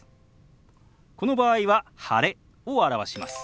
この場合は「晴れ」を表します。